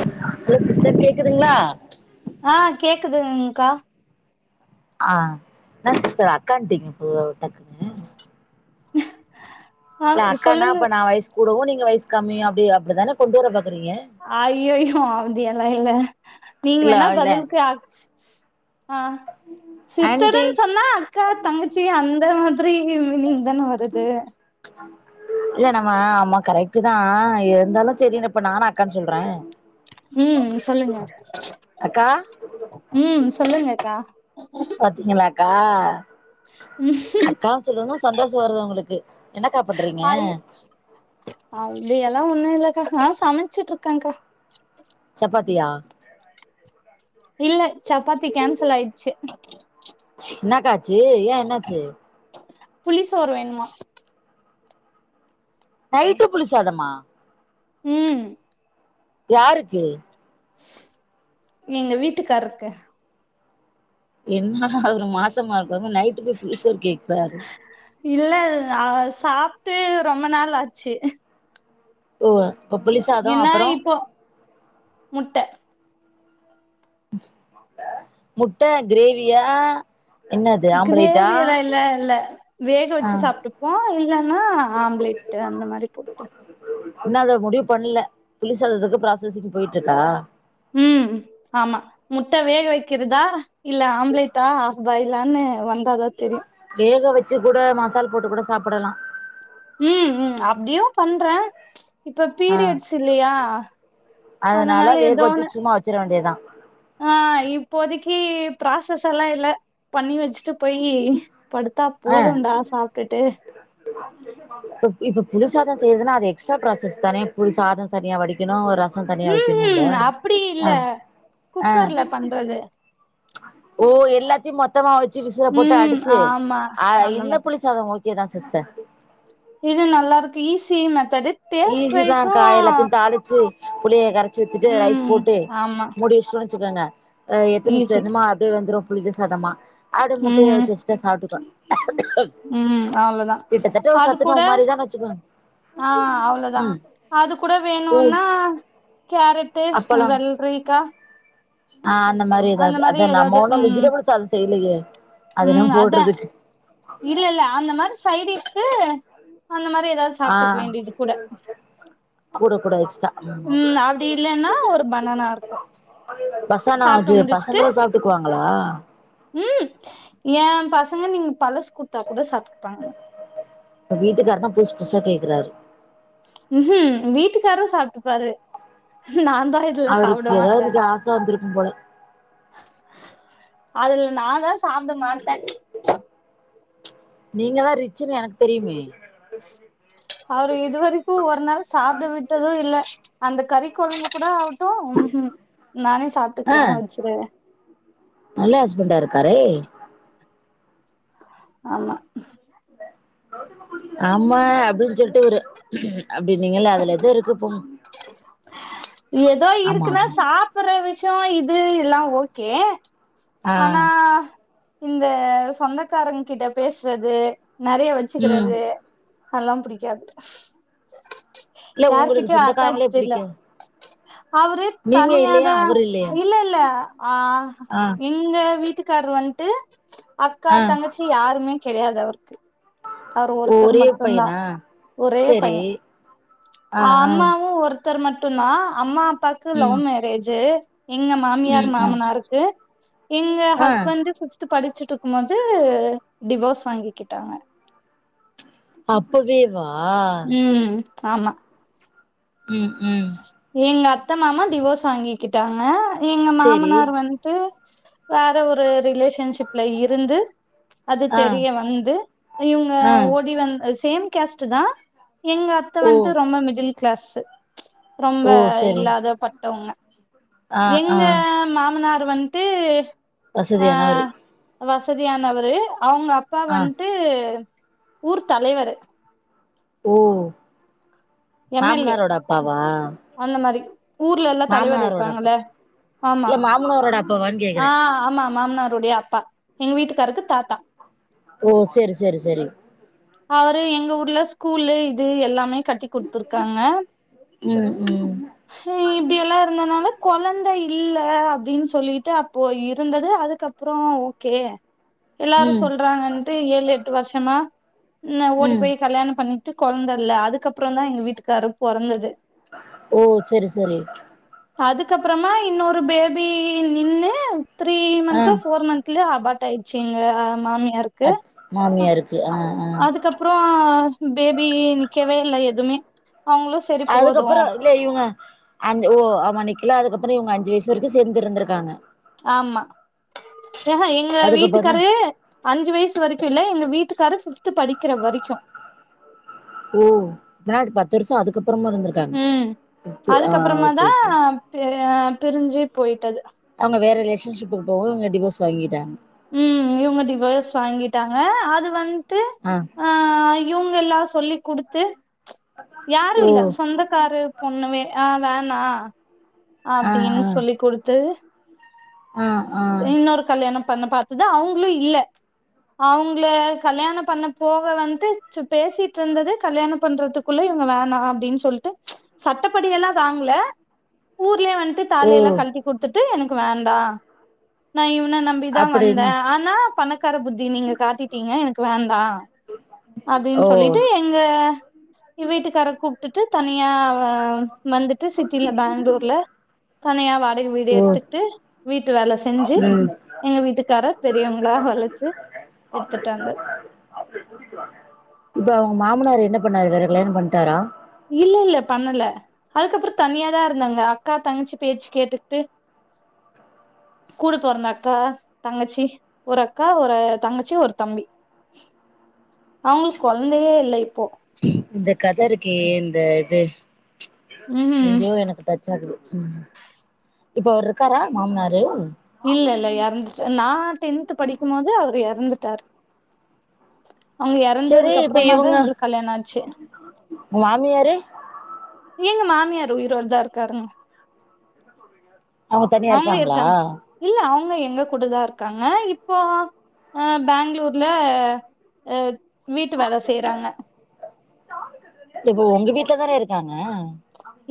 [unintelligible] Hello sister கேக்குதுங்ளா துங்க்கா ஆ என்னா‌ சிஸ்டர் அக்கான்டிங்க போ டக்குனு ஆ ல அக்கானா சொல்லுங்க அப்ப நா வைஸ் கூடவு நீங்க வைஸ் ஸ்கம்மி அப்டி அப்டிதான கொண்டு வரப் பாக் ஐய்யய்யோ அப்தியலா இல்ல நீங்க இல்ல வேணா இல்ல பதில்கு அக் ஆஹ் ஆன்ட்டி ஸ்டருனு சொன்னா அக்கா தங்கச்சி அந்த மாரி [unintelligible] [unintelligible] நீங் தான வருது இல்ல நம்ம ஆமா கரெக்ட்தா இருந்தாலு செரி இப்ப நானு அக்கானு சொல்றே ம் சொல்லுங்க அக்கா ம் சொல்லுங்க அக்கா பாத்தீங்களாக்கா ம் அக்கா சொல்லுங்கு சந்தோஷொ வருது உங்ளுக்கு என்ன கா பன்றீங்க ஐ ஒன்னு இல்லகா ஆஹ் சமச்சிட்ருக்கேகா சப்பாத்தியா இல்ல சப்பாத்தி கேன்சல் ஆய்ட்சு சின்னகாச்சு ஏ என்னாச்சு புளிசோரு வேணுமா நைட்டு புளிசாதமா ம் யாருக்கு எங்க வீட்டுக்காருக்கு என்ன ஒரு மாசமா இருக்குகாக நைட்டுகு புளி இல்ல அ சாப் ட்டு ரொம்ப நாள் ஆச்சு ஓ இப்ப புளி சாதம் ஏன்னா அப்பறம் இப்போ முட்ட முட்ட கிரேவியா என்னது ஆம்பளைட்டா கிரேவி எல்லா இல்ல இல்ல வேக ஆ வச்சு சாப்ட்டுப்போம் இல்ல னா ஆம்லேட்டு அந்த மாரி போட்டு இன்னும் அத முடிவு பண்ல புளி சாதத்துக்கு ப்ராசஸிங் போயிட்டு இருக்கா ம் ஆமா முட்ட வேக வைக்கிறதா இல்ல ஆம்லேட்டா ஆஃபாயி லானு வந்தாதா தெரியு வேக வச்சு கூட மசால் போட்டு கூட சாப்டலா ம் ம் அப்டியும் பண்றேன் இப்ப ஆ பீரியட்ஸ் இல்லையா அதனால வேக ஏதோ வச்சு ஒண்ணு சும்மா வச்சிட வேண்டியதா ஆ இப்போதைக்கு ப்ராசஸ் எல்லா இல்ல பண்ணி வச்சுட்டு போயி படுத்தா போதும்ண்டா சாப்ட்டுட்டு இப் இப்ப புளி சாதம் செய்றதுன்னா அது எக்ஸ்ட்ரா ப்ராசஸ் தானே புளி சாதம் சரியா வடிக்கணு ஒ ர ம் ம் அப்டி இல்ல ஆ குக்கர்ல பண்றது ஓ எல்லாத்தையு மொத்தமா வ ச்சு விசில போட்டு ம் அடிச்சு ஆமா ஆ அந்த என்ன மாதிரி புளி சாதம் ஓகேதா சிஸ்டர் க்கு ஈசி மெத் ஈஸி தாங்கா எல்லாத்தையு தாளிச்சு புளிய கரைச்சி வச்சுட்டு ரைஸ் ம் போட்டு ஆமா மூடி வச்சுட்டோனு வச்சுக்கோங்க அ எத்தினி ஈஸி செஞ்சமா அப்டியே வந்துரும் புளிக சதமா ஆடு முட்டய ம் வச்செஸ்டா சாப்டுக்க ம் அவ்வளோதா கிட்டத்தட்ட ஒரு அது கூட சத்துணவு மாரிதான்னு வச்சுக்கோங்க ஆ அவ்வளதா ம் அது கூட கூழ் வேணுனா கேரட்டு அப்பளம் வெல்ரிக்கா ஆ அந்த மாரி எதாவது அத நம்ம ஒண்ணு ம் வெஜிடபிள் சேலட் செய்யலையே அதெல்லா ம் அதா போடுறதுக்கு ஹு அந்த மாரி எதாவது ஆ சாப்ட்டுக்க வேண்டியது கூட கூட கூட எக்ஸ்ட்டா ம் அப்டி இல்லன்னா ஒரு பனானா இருக்கு பசாநா சாப்ட்டு ஆச்சு முடிச்சுட்டு பசங்களு சாப்ட்டுக்குவாங்களா ம் ஏ பசங்க நீங்க பழசு குடுத்தா கூட சாப்ட்டுப்பாங்க இப்ப வீட்டுக்காரருதா புதுசு புதுசா கேக்குறாரு ம்ஹும் வீட்டுக்காரும் சாப்பிட்டுப்பாரு அவருக்கு எதாவது ஆச வந்திருக்கும் போல அதுல நான்தா சாப்ட மாட்ட நீங்கதா ரிச்சுன்னு எனக்கு தெரியுமே அவரு இதுவரைக்கும் ஒரு நாள் சாப்பிட விட்டதும் இல்ல அந்த கறிக்குழம்பு கூட ம்ஹும் நானே ஆ சாப்ட்டுக்கிறே வச்சுரு நல்ல ஹஸ்பண்டா இருக்காரே ஆமா ஆமா அப்படினு சொல்லிட்டு ஒரு அப்டின்னீங்கல்ல அதுல எதோ இருக்கு போங்க ஏதோ ஆமா இருக்குன்னா ஆமா சாப்பற மிச்சம் இது எல்லாம் ஓகே ஆ ஆனா இந்த சொந்தக் காரங்கிட்ட பேசுறது நெறைய ம் வச்சுக்கிறது அதல்லாம் புடிக்காது இல்ல உங்களுக்கு யார்கிட்டயு சொந்தக்காரங்களே அட்டாச்ட் இல்ல புடிக்கா அவரு தனியாத இல்ல இல்ல ஆ ஆ இங்க வீட்டுக்கு வீட்டுகார் வன்ட்டு அக்கா ஆ தங்கச்சி யாருமே கிடையாது அவருக்கு அவர் ஒருத்தர் ஒரே மட்டுந்தா பையனா ஒரே சரி பைய ஆ அ ஆ அம்மாவு ஒருத் த்தர் மட்டுந்தா அம்மா அப்பாக்கு லவ் ம் மேரேஜு எங்க மாமியார் ம் ம் மாமனாருக்கு இங்க ஆ ஹஸ்பெண்ட்டு ஃபிப்த் படிச்சுட்டு இருக்கும்போது டிவோர்ஸ் வாங்கிக்கிட்டாங்க அப்பவே வா ம் ஆமா ம் எங்க அத்த மாமா டிவோஸ் வாங்கிக்கிட்டாங்க எங்க சேரி மாமனார் வந்துட்டு வேற ஒரு ரிலேஷன்ஷிப்ல இருந்து அது ஆ தெரிய வந்து இவங்க ஆ ஓடி வந்த சேம் கேஸ்ட் தா எங்க அத்த ஓ வந்துட்டு ரொம்ப மிடில் க்ளாஸ்சு ரொம்ப ஓ சரி இல்லாத பட்டவங்க ஆ ஆ எங்க மாமனார் வண்ட்டு வசதியானவரு வசதியானவரு அவங்க அப்பா ஆ வண்ட்டு ஊர் தலைவரு ஓ எம்எல்ஏ மாமனாரோட அப்பாவா அந்த மாதிரி ஊர்ல எல்லா தலைவர் மாமனாரோட அப்பா இருப்பாங்கல்ல ஆமா இல்ல மாமனாரோட அப்பாவான்னு ஆ கேக்குறே ஆமா மாமனாருடைய அப்பா எங்க வீட்டுக்காருக்கு தாத்தா ஓ செரி செரி செரி அவரு எங்க ஊர்ல ஸ்கூல்லு இது எல்லாமே கட்டி இருக்காங்க ம் ம் இப்படியெல்லாம் இருந்ததுனால குழந்தை இல்ல அப்படின்னு சொல்லிட்டு அப்போ இருந்தது அதுக்கப்புறம் ஓகே எல்லாரும் ம் சொல்றாங்கன்ட்டு ஏழு எட்டு வருஷமா ன்ன ஓடி ம் போய் கல்யாணம் பண்ணி குழந்த இல்ல அதுக்கப்புறம் தான் எங்க வீட்டுக்கார் பொறந்தது ஓ சரி சரி அதுக்கப்புறமா இன்னொரு பேபி நின்னு த்ரீ ஆ மந்த்தோ ஃபோர் மந்த்ல அபாட் த்யாடுச்சிங்க மாமி யாருக்கு அத் மாமியாருக்கு ஆ ஆ அதுக்கப்புறம் பேபி நிக்கவே இல்ல எதுவுமே அதுக்கப்புறம் இல்ல இவங்க அஞ்சு ஓ ஆமா நிக்குல அதுக்கப்புறம் இவங்க அஞ்சு வயசு வரைக்கும் சேர்ந்து இருந்திருக்காங்க ஆமா யஹ எங்க அதுக்கப்புறந்தா வீட்டுக்காரு அஞ்சு வயசு வரைக்கும் இல்ல எங்க வீட்டு கார ஃபிப்து படிக்கிற வரைக்கும் ஓ ன்னா பத்து வருஷம் அதுக்கு அப்புறமு இருந்திருக்காங்க ம் ஓகே ஆ பிரிஞ்சு போயிட்டது அவங்க வேற ரிலேஷன்ஷிப்புக்கு போகங்க அவங்க டிவோர்ஸ் வாங்கிட்டாங்க உம் இவங்க டிவர்ஸ் வாங்கிட்டாங்க அது வந்து த்து ஆ ஆஹ் இவங்க எல்லாஸ் சொல்லி குடுத்து யாரும் ஓ இல்ல சொந்தக்காரு பொண்ணுவே அ வேணா ஆ அப்படின்னு ஆ சொல்லி் குடுத்து ஆ ஆ இன்னொரு கல்யாணம் பண்ண பாத்தது அவங்களும் இல்ல அவங்கள கல்யாணம் பண்ண போக வந்து ச்சு பேசிட்டு இருந்தது கல்யாணம் பண்றதுக்குள்ள இவங்க வேணாம் அப்படினு சொல்லிட்டு சட்டப்படி எல்லாம் வாங்ல ஊர் உள்ளே வன்ட்டு ஓ தாலி எல்லாம் கழட்டி குடுத்துட் த்து எனக்கு வேண்டா ந இவ் ன்ன நம்பி தான் வந்தே அப்படின்னு ஆனா பணக்க பணக்கார புத்திய நீங்க காட்டீடீங்க எனக்கு வேண்டாம் அப்படின்னு ஓ சொல்லிட்டு எங்க வீட்டுக்கார கூப்பிட்டுட்டு தனியா வந்துட்டு சிட்டில பெங்களூர்ல தனியா வாடகை வீடு ஓ எடுத்துட்டு வீட்டு ட்டு வேல செஞ்சு ம் எங்க வீட்டுக்காரர் பெரியவங்களா வளச்சு எடுத்துட்டு வந்து இப்ப அவங்க மாமனார் என்ன பண்ணாரு வேற கல்யாணம் பண்டாரா இல்ல இல்ல பண்ணல அதுக்கப்புறோ தனியாதா இருந்தாங்க அக்கா தங்கச்சி பேச்சு கேட்டுட்டு கூட பொறந்த அக்கா தங்கச்சி ஒரு அக்கா ஒரு தங்கச்சி ஒரு தம்பி அவங்களுக்கு கொழந்தையே இல்ல இப்போ இந்த கத இருக்கே இந்த இது ம்ஹூம் எங்கேயோ எனக்கு டச்சாகுது ம் இப்ப அவரு இருக்காரா மாமனாரு இல்ல இல்ல ஏறந்துட்டு நா டென்த்து படிக்குமோது அவரு எறந்து ட்டாரு சரி இப்ப இவங்க ஆச்சு. மாமியாரு எங்க மாமியார் உயிரோடதா இருக்காங்க அவங்க தனியா இருக்காங்களா வங்க எங்க கூடதா இருக்காங்க இப்போ அ பேங்களூர்ல அ வீட்டு வேல செய்றாங்க இப்போ ஒங்க வீட்லதானே இருக்காங்க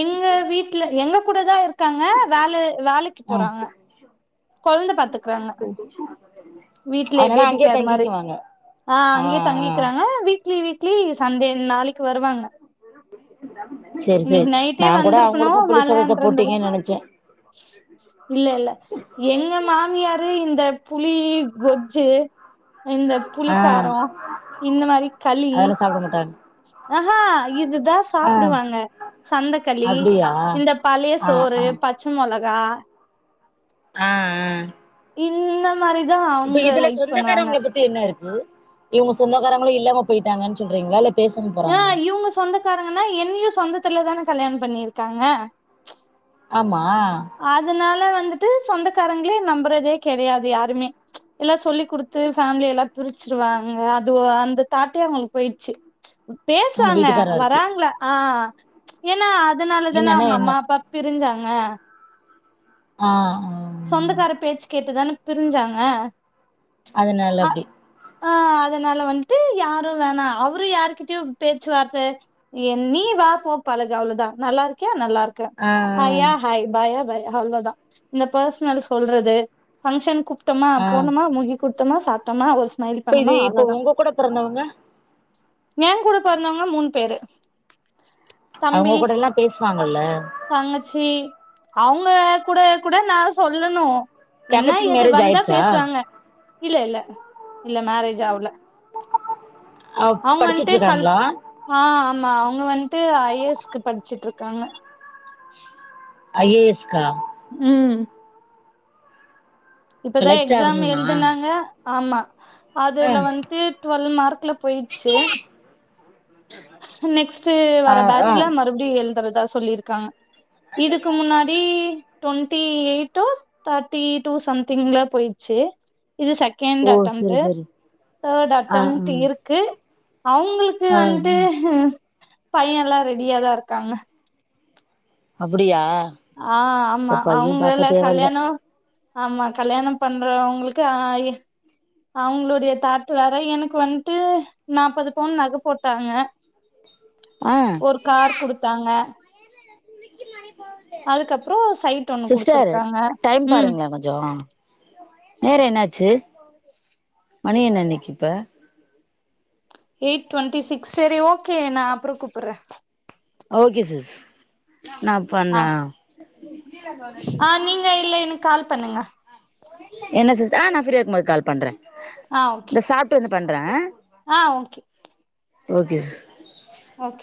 எங்க வீட்ல எங்க கூடதா இரு க்காங்க வேல வேலைக்கு ஆ போறாங்க கொழந்த பாத்துக்குறாங்க வீட்ல அதனால பேபி அங்கேயே கேர் மாரி தங்கிக்குவாங்க ஆ அங்கேயே தங்கிக்குறாங்க வீக்லி வீ க்லி சண்டே நாளைக்கு வருவாங்க செரி செரி இன்னைக்கு நா நைட்டே கூட வந்திருக்கணு அவங்களுக்கு புளி சாதத்த மழன்றத போட்டீங்கன்னு நெனச்சே ஏ மாமியாரு இந்த பு ளி கொஜ்ஜு இந்த ஆ புளிக்காரோ இந்த மாரி களி அதெல்லா சாப்ட மாட்டாங்க அஹா இது தா ஆ சாப்டுவாங்க சந்தக்களி அப்டியா இந்த பழைய ஆ சோறு ஆ ஆ பச்ச மொள கா ஆ ஆ இன்னு இப்ப இதுல சொந்தக்காரங்கள பத்தி என்ன இரு க்கு இவங்க சொந்தக்காரங்களு இல்லாம போயிட்டாங்கன் சொல்றீங்களா இல்ல பேசாம ஆ போறாங்களா இவங்க சொந்தக்காரங்கன்னா என்னையு சொந்தத் த்துல தானே கல்யாணொ பண்ணிருக்காங்க ஆமா அதுனால வ ந்துட்டு சொந்தக்காரங்களே நம்புறதே கெடையாது யாருமே எல்லா சொல்லி குடுத்து ஃபேமிலியேல்லா பிரிச்சிருவாங்க அது அந்த தாட்டே அவங்களுக்கு போயிட்ச்சு உங்க பேசுவாங்க வீட்டுக்காரா இருக்கு வராங்கள ஆ ஏனா அ தனால தானே என்னன்னா அவங்க என்ன அம்மா அப்பா பிரிஞ்சாங்க ஆ ஆஹ சொந்தக்கார பேச்சு கேட்டுதான பிரிஞ்சாங்க அதனால அப்டி ஆஹ் அதனால வந்துட்டு யாரும் வேணா அவரும் யாருகிட்டயும் பேச்சுவார்த்தை என் நீ வா போ பழகு அவ்ளவுதான் நல்லா இருக்கியா நல்லா இருக்க ஆ ஹ யா ஹய் பாயா பாய் ஹாவ்லதா இந்த பர்சனல் சொல்றது ஃபங்க்ஷன் ட்டமா போனோமா [unintelligible] தும்மா சாப்டோனா [unintelligible] ப இது இப்ப உங்க கூட பிறந்தவங்க ஏ கூட பொறந்தவங்க மூணு பேரு அவங்க தம்பி கூடலா பேசுவாங்கல தங்கச்சி அவங்க கூட கூட நா சொல்லணு என்ன தங்கச்சிக்கு எது மேரேஜ் வந்தா ஆயிடுச்சா பேசுவாங்க இல்ல இல்ல இல்ல மேரேஜ் ஆவுல அவ அவங்க படிச்சிட்டு வந்ட்டு கல் இருக்காங்களா ஆ ஆமா அவங்க வந் ட்டு ஐ ஏ எஸ்க்கு படிச்சிட்டுருக்காங்க ஐ ஏ எஸ்கா? ம் இப்பதா கலெக்டர் எக்ஸாம் ஆகணும்னா எழுதுனாங்க ஆமா ஆ அதுல வந்ட்டு ட்வெல்வ் மா [unintelligible] போயிச்சு நெக்ஸ்ட் ஆ வர ஆ பேட்சல மறுபடியு எழுதறதா சொல்லிருக்காங்க இதுக்கு முன்னாடி ட்வென்டி எயிட்டோ தேட்டி டூ சம் திங்களா போயிர்ச்சு இது செகண்ட் ஓ சரி அட்டெம்ட்டு சரி தேர்ட் ஆ ஆ அட்டம்ட் இருக்கு அவங்களுக்கு ஆ வந்ட்டு ம் பையல்லா ரெடியாதா இருக்காங்க அப்புடியா ஆ ஆமா அவுங்கள தேவல்ல கல்யாணோ ஆமா கல்யாணம் பண்றவங்களுக்கு அ அவுங்களுடைய தாட்டு வேற எனக்கு வந்துட்டு நாற்பது பவுன் நக போட்டாங்க ஆ ஒரு கார் குடுத்தாங்க அதுக்கப்புறோ சைட் ஒண்ணு சிஸ்டர் குடுத்துருக்காங்க டைம் ம் பாருங்க கொஞ்சம் நேர என்னாச்சு மணி என்னன்னைக்கு இப்ப எயிட் டுவெண்ட்டி சிக்ஸ் சரி ஓகே நா அப்பறம் கூப்புட்றேன் ஓகே சிஸ் நா பண் ஆ ம் ஆ நீங்க இல்ல எனக்கு கால் பண்ணுங்க என்ன சிஸ் ஆ நா ஃப்ரியா இருக்கும் போது கால் பண்றேன் ஆ ஓகே இந்த சாப்ட்டு வந்து பண்றேன் ஆ ஓகே ஓகே சிஸ் ஓகே